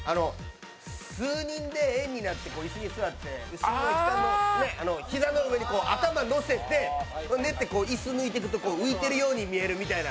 数人で円になっていすに座って膝の上に頭を乗せて寝て、椅子を抜いていくと浮いてるように見えるみたいな。